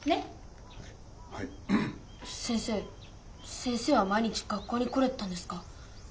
先生は毎日学校に来れてたんですか？